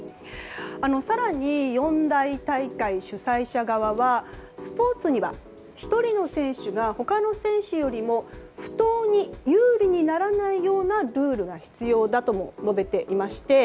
更に、四大大会主催者側はスポーツには１人の選手が他の選手よりも不当に有利にならないようなルールが必要だとも述べていまして。